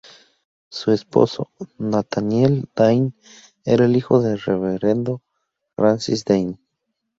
Su esposo, Nathaniel Dane, era el hijo del reverendo Francis Dane.